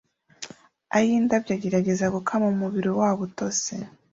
a yindabyo agerageza gukama umubiri wabo utose